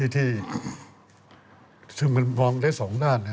ซึ่งมันมองได้สองด้าน